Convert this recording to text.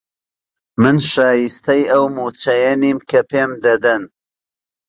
من شایستەی ئەو مووچەیە نیم کە پێم دەدەن.